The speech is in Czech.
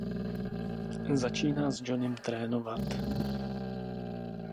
Začíná s Johnnym trénovat.